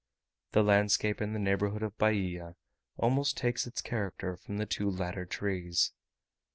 The landscape in the neighbourhood of Bahia almost takes its character from the two latter trees.